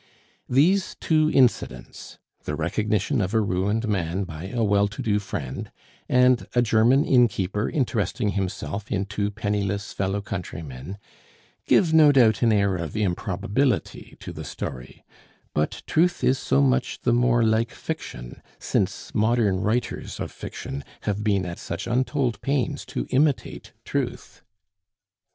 These two incidents the recognition of a ruined man by a well to do friend, and a German innkeeper interesting himself in two penniless fellow countrymen give, no doubt, an air of improbability to the story, but truth is so much the more like fiction, since modern writers of fiction have been at such untold pains to imitate truth.